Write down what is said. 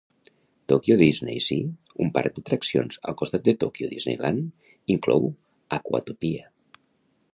Tokyo DisneySea, un parc d'atraccions al costat de Tokyo Disneyland, inclou Aquatopia.